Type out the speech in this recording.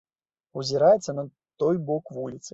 Узіраецца на той бок вуліцы.